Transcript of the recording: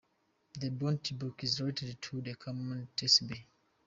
The bontebok is related to the common tsessebe.